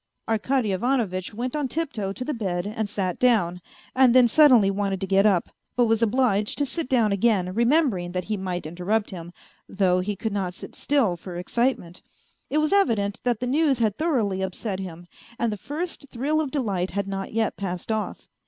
Arkady Ivanovitch went on tip toe to the bed and sat down, then suddenly wanted to get up, but was obliged to sit down again, remembering that he might interrupt him, though he could not sit still for excitement : it was evident that the news had thoroughly upset him, and the first thrill of delight had not A FAINT HEART 163 yet passed off.